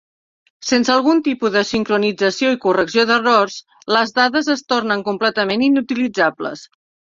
Sense algun tipus de sincronització i correcció d'errors, les dades es tornen completament inutilitzables.